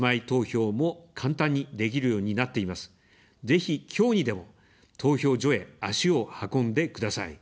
ぜひ、きょうにでも投票所へ足を運んでください。